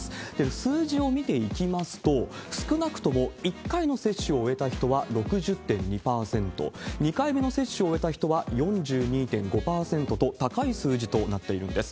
数字を見ていきますと、少なくとも１回の接種を終えた人は６０．２％、２回目の接種を終えた人は４２．５％と、高い数字となっているんです。